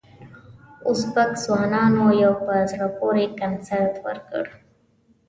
ازبک ځوانانو یو په زړه پورې کنسرت ورکړ.